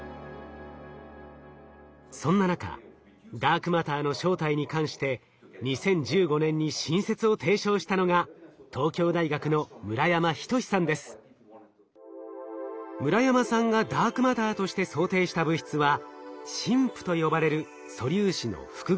そんな中ダークマターの正体に関して２０１５年に新説を提唱したのが村山さんがダークマターとして想定した物質はＳＩＭＰと呼ばれる素粒子の複合体。